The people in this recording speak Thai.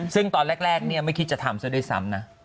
ซึ่งตอนแรกไม่คิดจะทำซะด้วยซ้ำนะ